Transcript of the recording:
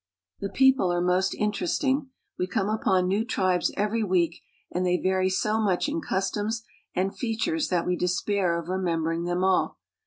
" The people are most interesting. We come upon nem^fl tribes every week, and they vary so much in customs andf features that we despair of remembering them all.